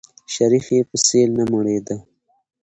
شريف يې په سيل نه مړېده.